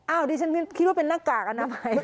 อ๋ออันนี้ฉันคิดว่าเป็นหน้ากากอันนั้นไหม